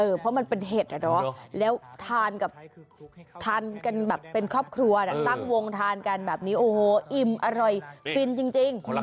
เพราะมันเป็นเห็ดอะเนาะแล้วทานกับทานกันแบบเป็นครอบครัวตั้งวงทานกันแบบนี้โอ้โหอิ่มอร่อยฟินจริง